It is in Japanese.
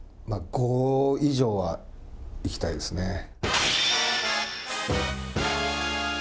まあそれは、５以上はいきたいですね。